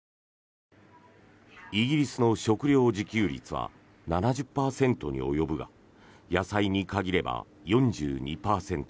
イギリスの食料自給率は７０％に及ぶが野菜に限れば４２％。